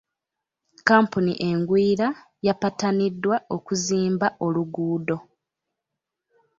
Kkampuni engwira yapataniddwa okuzimba oluguudo.